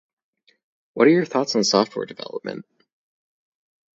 What are your thoughts on software development?